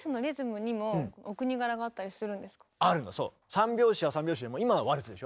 ３拍子は３拍子でも今のはワルツでしょ。